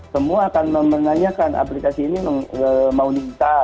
semua akan menanyakan aplikasi ini mau nikah